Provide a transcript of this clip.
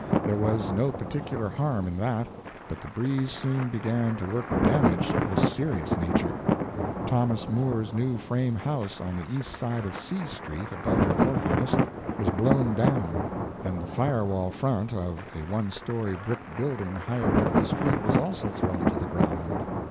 There was no particular harm in that, but the breeze soon began to work damage of a serious nature. Thomas Moore's new frame house on the east side of C street, above the Court House, was blown down, and the fire wall front of a one story brick building higher up the street was also thrown to the ground.